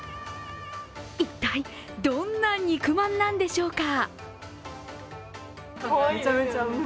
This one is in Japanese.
一体どんな肉まんなんでしょうか。